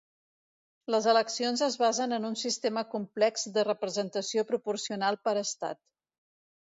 Les eleccions es basen en un sistema complex de representació proporcional per estat.